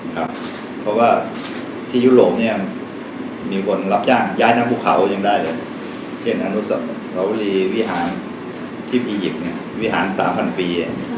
เพราะว่าที่ยุโรปเนี่ยมีคนรับจ้างย้ายทั้งภูเขายังได้เลยเช่นอนุสวรีวิหารที่อียิปต์วิหาร๓๐๐ปี